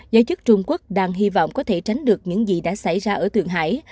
giới chức trung quốc đang hy vọng có thể tránh được những gì đã xảy ra ở thượng hải